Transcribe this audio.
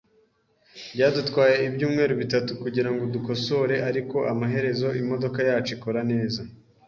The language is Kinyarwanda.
Byadutwaye ibyumweru bitatu kugirango dukosore, ariko amaherezo imodoka yacu ikora neza .